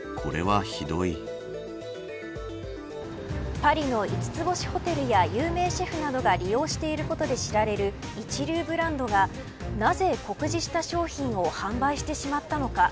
パリの五つ星ホテルや有名シェフなどが利用していることで知られる一流ブランドが、なぜ酷似した商品を販売してしまったのか。